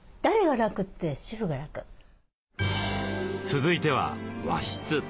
続いては和室。